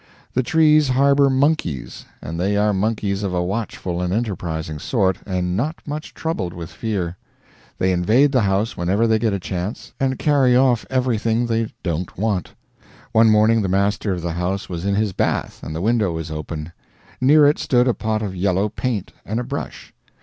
The trees harbor monkeys; and they are monkeys of a watchful and enterprising sort, and not much troubled with fear. They invade the house whenever they get a chance, and carry off everything they don't want. One morning the master of the house was in his bath, and the window was open. Near it stood a pot of yellow paint and a brush.